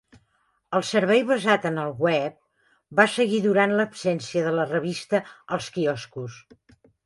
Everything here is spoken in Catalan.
El servei basat en el web va seguir durant l'absència de la revista als quioscos.